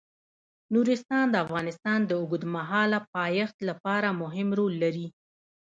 نورستان د افغانستان د اوږدمهاله پایښت لپاره مهم رول لري.